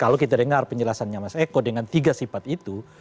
kalau kita dengar penjelasannya mas eko dengan tiga sifat itu